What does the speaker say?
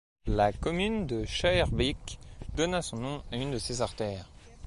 La commune de Schaerbeek donna son nom à une de ses artères.